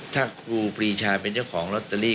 ถ้าครูปรีชาเป็นเจ้าของลอตเตอรี่